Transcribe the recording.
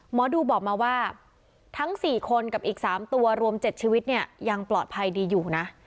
หมอดูบอกมาว่าทั้ง๔คนกับอีก๓ตัวรวม๗ชีวิตเนี่ยยังปลอดภัยดีอยู่นะ